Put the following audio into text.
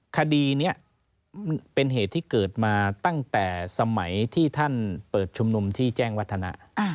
คดีนี้เป็นเหตุที่เกิดมาตั้งแต่สมัยที่ท่านเปิดชุมนุมที่แจ้งวัฒนะ